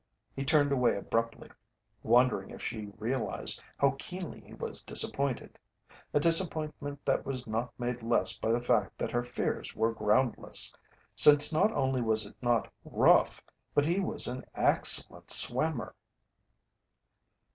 He turned away abruptly, wondering if she realized how keenly he was disappointed a disappointment that was not made less by the fact that her fears were groundless, since not only was it not "rough" but he was an excellent swimmer.